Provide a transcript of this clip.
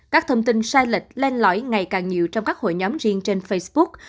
các thông tin sai lệch lên lõi ngày càng nhiều trong các hội nhóm riêng trên facebook